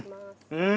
うん！